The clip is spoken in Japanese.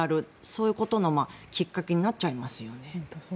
そういうことのきっかけになっちゃいますよね。